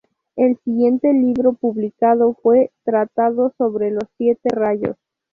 El siguiente libro publicado fue "Tratado sobre los siete rayos".